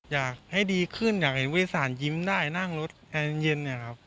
อยากให้ดีขึ้นอยากเห็นบริษัทยิ้มได้นั่งรถแรงเย็น